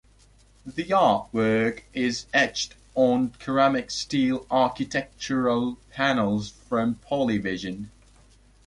The artwork is etched on CeramicSteel architectural panels from PolyVision.